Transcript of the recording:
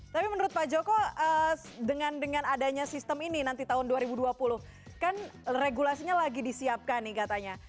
tapi menurut pak joko dengan adanya sistem ini nanti tahun dua ribu dua puluh kan regulasinya lagi disiapkan nih katanya